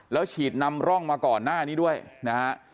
แล้วฉีดนำร่องมาก่อนหน้านี้ด้วยนะฮะ